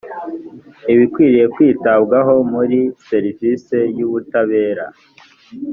ibikwiye kwitabwaho muri serivisi y ubutabera